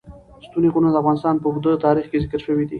ستوني غرونه د افغانستان په اوږده تاریخ کې ذکر شوی دی.